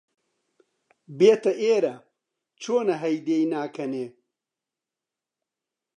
بێتە ئێرە، چۆنە هەی دێی ناکەنێ!؟